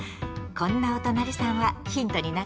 こんなおとなりさんはヒントになるかな？